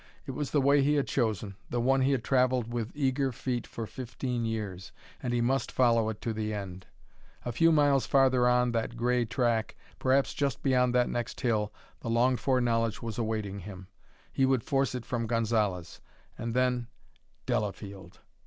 It was the way he had chosen, the one he had travelled with eager feet for fifteen years, and he must follow it to the end. A few miles farther on that gray track, perhaps just beyond that next hill, the longed for knowledge was awaiting him. He would force it from Gonzalez, and then Delafield!